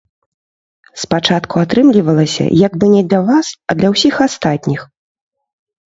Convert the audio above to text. Спачатку атрымлівалася як бы не для вас, а для ўсіх астатніх.